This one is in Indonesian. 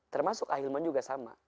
termasuk ahlimah juga sama